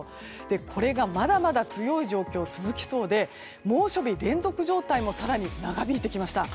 これが、まだまだ強い状況続きそうで猛暑日連続状態も更に長引いてきました。